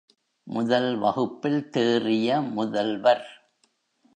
முதல் வகுப்பில் தேறிய முதல்வர்.